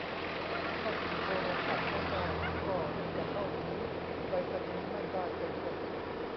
ถ้าเข้าถึงโทรศัพท์ไม่ได้ ก็จะเข้าถึงไปรษณีย์ไม่ได้ไปด้วย